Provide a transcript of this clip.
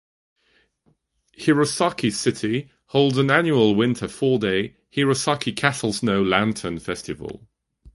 Hirosaki city holds an annual winter four-day "Hirosaki Castle Snow Lantern Festival".